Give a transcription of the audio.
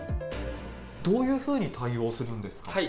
どういうふうに対応するんですか？